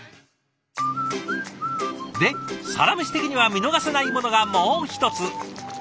で「サラメシ」的には見逃せないものがもう一つ。